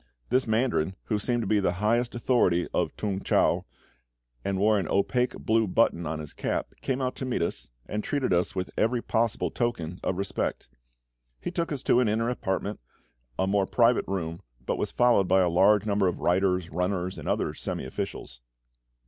This mandarin, who seemed to be the highest authority of T'ung chau, and wore an opaque blue button on his cap, came out to meet us, and treated us with every possible token of respect. He took us to an inner apartment, a more private room, but was followed by a large number of writers, runners, and other semi officials.